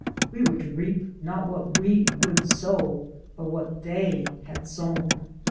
We were to reap not what we would sow, but what they had sown.